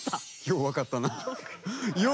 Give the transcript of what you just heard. よう分かったな！